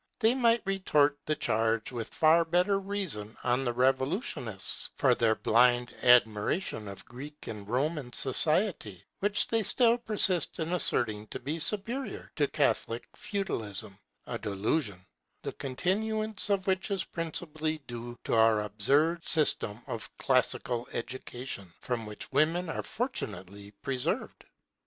They might retort the charge with far better reason on the revolutionists, for their blind admiration of Greek and Roman society, which they still persist in asserting to be superior to Catholic Feudalism; a delusion, the continuance of which is principally due to our absurd system of classical education, from which women are fortunately preserved.